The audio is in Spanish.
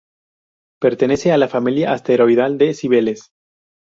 Pertenece a la familia asteroidal de Cibeles.